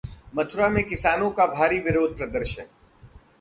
मथुरा में किसानों का भारी विरोध प्रदर्शन